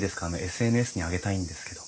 ＳＮＳに上げたいんですけど。